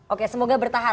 oke semoga bertahan